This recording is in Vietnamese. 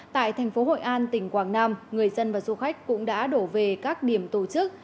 tại tp hcm tỉnh quảng nam người dân và du khách cũng đã đổ về các điểm tổ chức